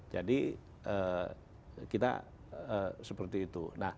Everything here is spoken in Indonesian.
jadi kita seperti itu